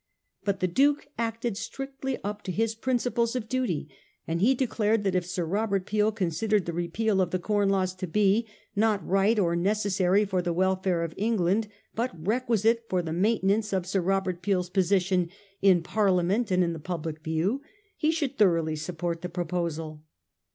But the Duke acted strictly up to his principles of duty, and he declared that if Sir Robert Peel considered the repeal of the Corn Laws to be, not right or necessary for the welfare of Eng land, but requisite for the maintenance of Sir Robert Peel's position ' in Parliament and in the public view,' he should thoroughly support the proposal.